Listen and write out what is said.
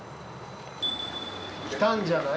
来たんじゃない？